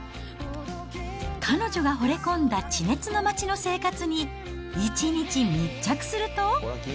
彼女がほれ込んだ地熱の町の生活に１日密着すると。